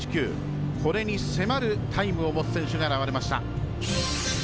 これに迫るタイムを持つ選手が現れました。